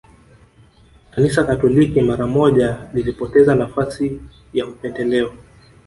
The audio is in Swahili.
Kanisa Katoliki mara moja lilipoteza nafasi ya upendeleo